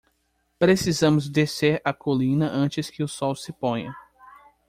Precisamos descer a colina antes que o sol se ponha.